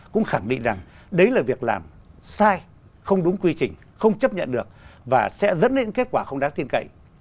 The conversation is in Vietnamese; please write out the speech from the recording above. cũng khẳng định rằng đấy là việc làm sai không đúng quy trình không chấp nhận được và sẽ dẫn đến kết quả không đáng tin cậy